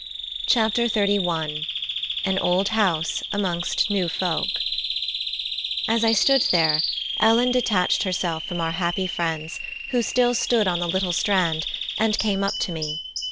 CHAPTER XXXI: AN OLD HOUSE AMONGST NEW FOLK As I stood there Ellen detached herself from our happy friends who still stood on the little strand and came up to me.